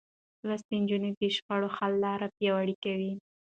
لوستې نجونې د شخړو حل لارې پياوړې کوي.